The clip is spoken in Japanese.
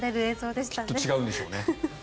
きっと違うんでしょうね。